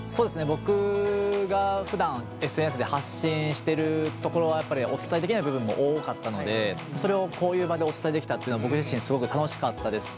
僕がふだんＳＮＳで発信してるところはやっぱりお伝えできない部分も多かったのでそれをこういう場でお伝えできたっていうのは僕自身すごく楽しかったです。